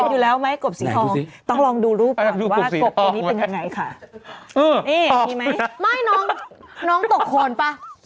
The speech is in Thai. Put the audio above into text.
นี่มีไหมไม่น้องน้องตกโคนป่ะ